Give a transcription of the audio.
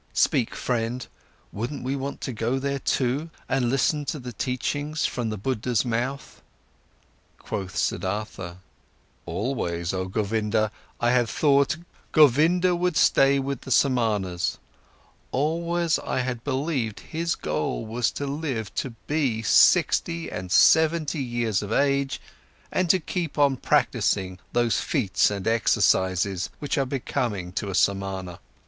Speak, friend, wouldn't we want to go there too and listen to the teachings from the Buddha's mouth?" Quoth Siddhartha: "Always, oh Govinda, I had thought, Govinda would stay with the Samanas, always I had believed his goal was to live to be sixty and seventy years of age and to keep on practising those feats and exercises, which are becoming a Samana.